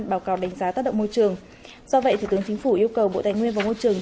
báo cáo đánh giá tác động môi trường do vậy thủ tướng chính phủ yêu cầu bộ tài nguyên và môi trường